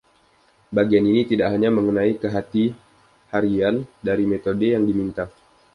Bagian ini tidak hanya mengenai kehati-harian dari metode yang diminta.